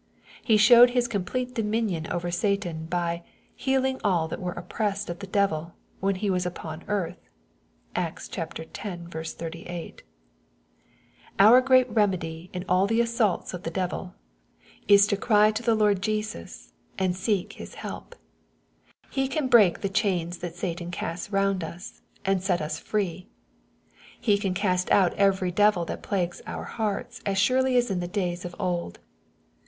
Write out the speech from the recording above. He showed His com plete dominion over Satan, by " healing all that were op pressed of the devil," when He was upon earth. (Acts x. B8.) Our great remedy in all the assaults of the devil, 4* 82 BZPOSITORT THOUGHTS. is to cry to the Lord Jesus, and to seek His help. He can break the chains that Satan casts round us, and set us free. He can cast out every devil that plagues our hearts, as surely as in the days of old.